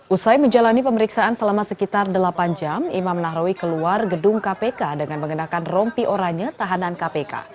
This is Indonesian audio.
usai menjalani pemeriksaan selama sekitar delapan jam imam nahrawi keluar gedung kpk dengan mengenakan rompi oranya tahanan kpk